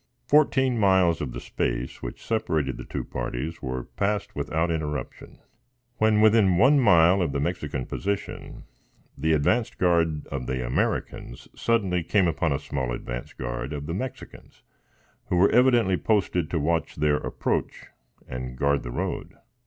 Fourteen miles of the space which separated the two parties were passed without interruption. When within one mile of the Mexican position, the advance guard of the Americans suddenly came upon a small advance guard of the Mexicans, who were evidently posted to watch their approach and guard the road.